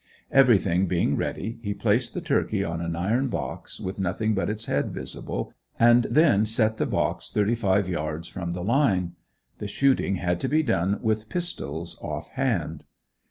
Everything being ready, he placed the turkey in an iron box, with nothing but its head visible and then set the box thirty five yards from the line. The shooting to be done with pistols "off hand."